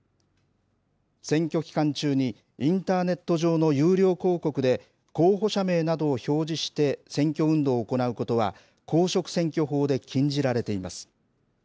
選挙期間中にインターネット上の有料広告で候補者名などを表示して選挙運動を行うことは、公職選挙法で禁じられています。